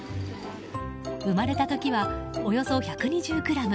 生まれた時は、およそ１２０ｇ。